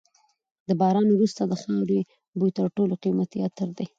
د باران وروسته د خاورې بوی تر ټولو قیمتي عطر دی.